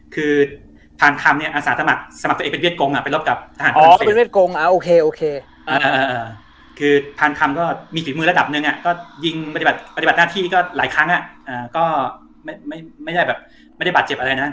คือพันคำเนี่ยอาศาสตร์สมัครตัวเองเป็นเวียดกงเป็นรบกับทหารฝรั่งเศสอ๋อเป็นเวียดกงอ่ะโอเค